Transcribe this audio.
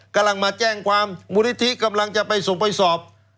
กำลังมาแจ้งความมูลนิธิกำลังจะไปส่งไปสอบ